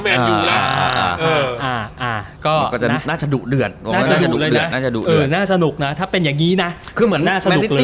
แต่ตอนเนี่ยกลายเป็นมาร์ทมาร์ทแมนทิสต์